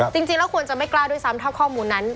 จริงแล้วควรจะไม่กล้าด้วยซ้ำถ้าข้อมูลนั้น